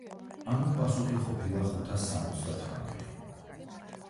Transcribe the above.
ანუ, პასუხი ყოფილა ხუთას სამოცდათვრამეტი.